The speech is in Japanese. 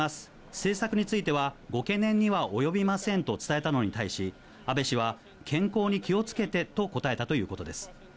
政策についてはご懸念には及びませんと伝えたのに対し、安倍氏は、健康に気をつけてと答えたということです。